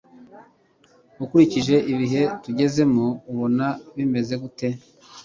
Ukurikije ibihe tugezemo ubona bimeze gute